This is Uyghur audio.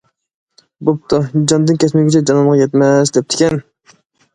بوپتۇ،« جاندىن كەچمىگۈچە، جانانغا يەتمەس» دەپتىكەن.